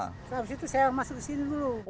habis itu saya masuk ke sini dulu